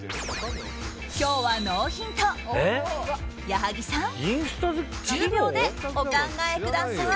今日はノーヒント、矢作さん１０秒でお考えください。